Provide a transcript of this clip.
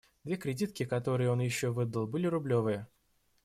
Две кредитки, которые он еще выдал, были рублевые.